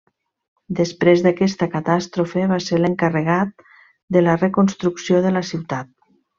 Després d'aquesta catàstrofe va ser l'encarregat de la reconstrucció de la ciutat.